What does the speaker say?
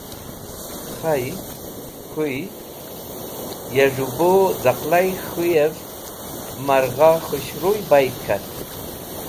Khay, k̃hũy! Ya z̃hũ bu cẽqaly k̃hũyev ma’r gha khũshruy bayd k̃hat.